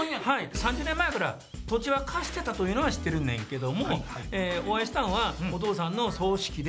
３０年前から土地は貸してたというのは知ってるねんけどもお会いしたのはお父さんの葬式で。